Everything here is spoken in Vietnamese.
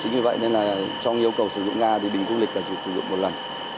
chính vì vậy nên là trong yêu cầu sử dụng ga thì bình du lịch là chỉ sử dụng một lần